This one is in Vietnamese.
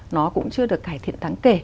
nó cũng chưa được cải thiện tắng kể